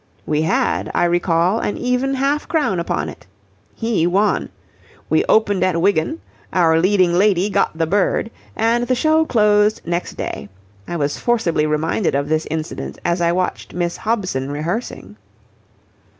We had, I recall, an even half crown upon it. He won. We opened at Wigan, our leading lady got the bird, and the show closed next day. I was forcibly reminded of this incident as I watched Miss Hobson rehearsing."